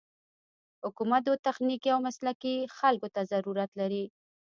حکومت و تخنيکي او مسلکي خلکو ته ضرورت لري.